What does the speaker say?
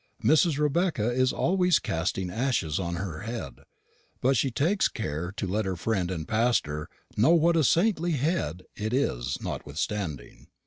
Mrs. Rebecca is always casting ashes on her head; but she takes care to let her friend and pastor know what a saintly head it is notwithstanding.